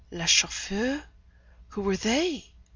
Les Chauffeurs, who were they?